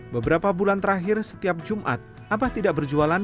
beberapa bulan terakhir setiap jumat abah tidak berjualan